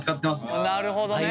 なるほどね。